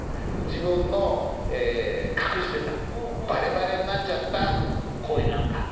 自分の隠してたバレバレになっちゃった恋なんだ。